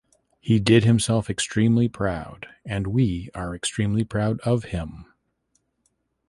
He did himself extremely proud and we are extremely proud of him.